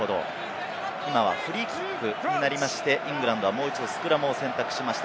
今はフリーキックになりまして、イングランドはもう一度スクラムを選択しました。